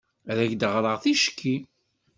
Ad ak-d-ɣreɣ ticki.